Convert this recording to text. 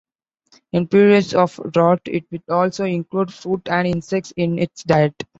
In periods of drought, it will also include fruit and insects in its diet.